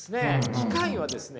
機械はですね